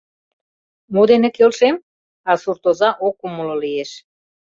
— Мо дене келшем? — а суртоза ок умыло лиеш.